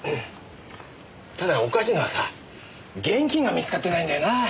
ただおかしいのはさ現金が見つかってないんだよな。